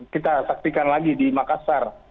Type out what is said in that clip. kita saksikan lagi di makassar